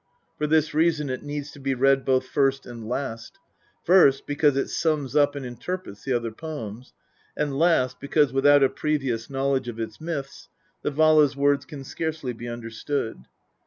For this reason it needs to be read both first and last first, because it sums up and inter prets the other poems; and last, because without a previous knowledge of its myths the Vala's words can scarcely be understood.